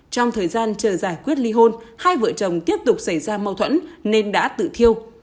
trong thời gian chờ giải quyết ly hôn hai vợ chồng tiếp tục xảy ra mâu thuẫn nên đã tự thiêu